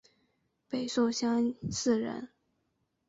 北宋襄邑人。